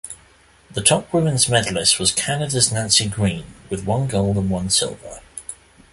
The top women's medalist was Canada's Nancy Greene, with one gold and one silver.